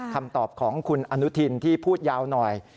คำตอบของคุณอนุทินที่พูดยาวหน่อย